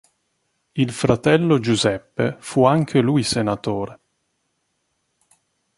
Il fratello Giuseppe fu anche lui senatore.